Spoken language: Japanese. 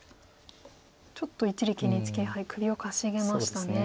ちょっと一力ＮＨＫ杯首をかしげましたね。